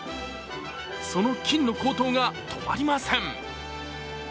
その金の高騰が止まりません。